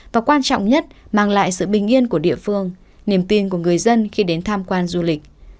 và quan trọng nhất mang lại sự bình yên của địa phương niềm tin của người dân khi đến tham quan du lịch